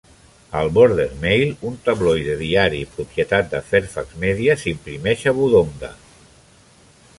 El "Border Maill", un tabloide diari propietat de Fairfax Media, s'imprimeix a Wodonga.